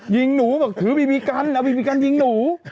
ยิงหนูคือบีบีกัน